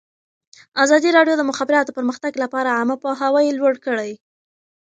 ازادي راډیو د د مخابراتو پرمختګ لپاره عامه پوهاوي لوړ کړی.